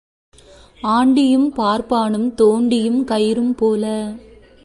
ஆண்டியும் பார்ப்பானும் தோண்டியும் கயிறும் போல.